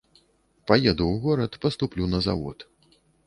Паеду ў горад, паступлю на завод.